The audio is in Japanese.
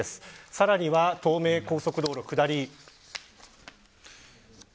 さらに東名高速道路下り。